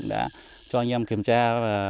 đã cho anh em kiểm tra và